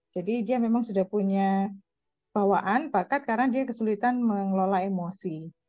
jadi dia memang sudah punya bawaan bakat karena dia kesulitan mengelola emosi